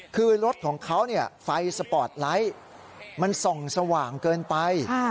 คือรถของเขาไฟสปอร์ตไลท์มันส่องสว่างเกินไป